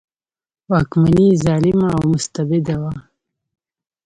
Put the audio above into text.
واکمني ظالمه او مستبده وه.